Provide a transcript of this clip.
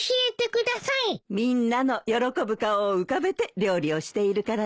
みんなの喜ぶ顔を浮かべて料理をしているからね。